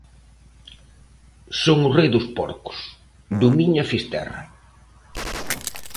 Son o rei dos porcos do Miño a Fisterra